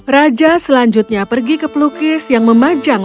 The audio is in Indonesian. raja selanjutnya pergi ke pelukis yang memajang